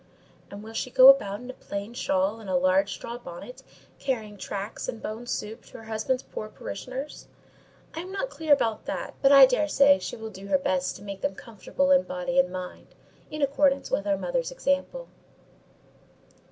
"And will she go about in a plain shawl, and a large straw bonnet, carrying tracts and bone soup to her husband's poor parishioners?" "I'm not clear about that; but I dare say she will do her best to make them comfortable in body and mind, in accordance with our mother's example."